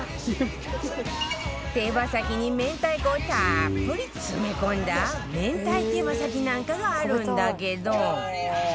手羽先に明太子をたっぷり詰め込んだ明太手羽先なんかがあるんだけど